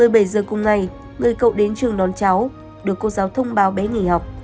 một mươi bảy giờ cùng ngày người cậu đến trường đón cháu được cô giáo thông báo bé nghỉ học